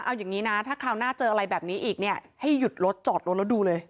เอาอย่างนี้นะถ้าคราวหน้าเจออะไรแบบนี้อีกเนี่ยให้หยุดรถจอดรถแล้วดูเลย